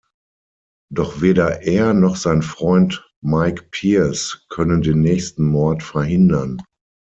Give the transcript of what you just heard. Doch weder er noch sein Freund Mike Pierce können den nächsten Mord verhindern.